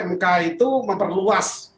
mk itu memperluas